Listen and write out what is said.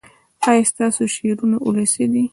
ایا ستاسو شعرونه ولسي دي؟